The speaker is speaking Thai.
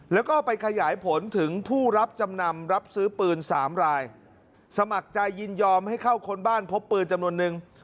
แล้วก็ไปขยายผลถึงผู้รับจำนำรับซื้อปืนสามรายสมัครใจยินยอมให้เข้าค้นบ้านพบปืนจำนวนนึง